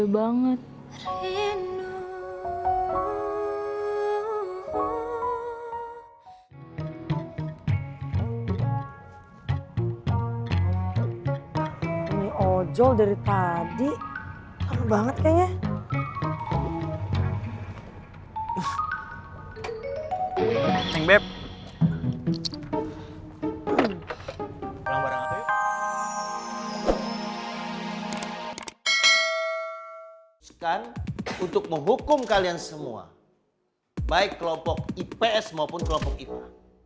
baik kelompok ips maupun kelompok iva